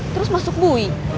terus masuk bui